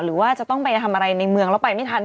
หรือว่าจะต้องไปทำอะไรในเมืองแล้วไปไม่ทัน